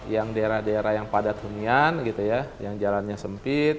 yang daerah daerah yang padat hunian yang jalannya sempit